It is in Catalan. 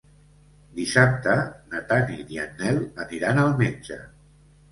Dissabte na Tanit i en Nel aniran al metge.